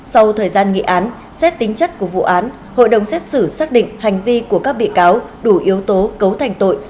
sau thời gian nghị án xét tính chất của vụ án hội đồng xét xử xác định hành vi của các bị cáo đủ yếu tố cấu thành tội